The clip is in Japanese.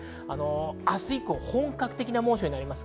明日以降、本格的な猛暑になります。